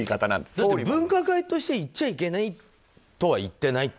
だって、分科会として行っちゃいけないとは言っていないと。